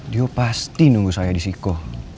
dia pasti nunggu saya disitu